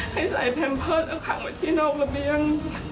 ให้ใส่แพมเพิร์ตแล้วขังไว้ที่นอกระเบียง